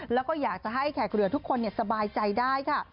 แล้วก็อยากจะให้แขกเรือทุกคนสบายใจได้ค่ะ